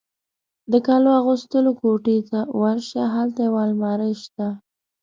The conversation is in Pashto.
د کالو اغوستلو کوټې ته ورشه، هلته یو المارۍ شته.